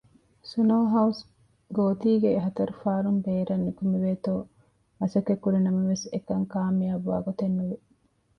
ސުނޯހައުސް ގޯތީގެ ހަތަރު ފާރުން ބޭރަށް ނުކުމެވޭތޯ މަސައްކަތްކުރި ނަމަވެސް އެކަން ކާމިޔާބުވާ ގޮތެއް ނުވި